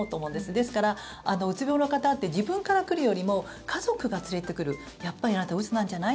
ですから、うつ病の方って自分から来るよりも家族が連れてくるやっぱり、あなたうつなんじゃない？